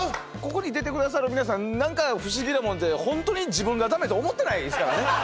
ここに出てくださる皆さん何か不思議なもんで本当に自分がだめと思ってないですからね。